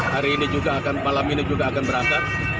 hari ini juga akan malam ini juga akan berangkat